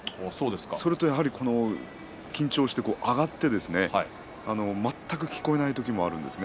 それと、やはり緊張して上がって全く聞こえない時もあるんですね。